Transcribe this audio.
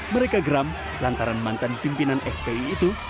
mereka geram lantaran mantan pimpinan fpi itu